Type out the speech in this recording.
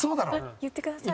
言ってください。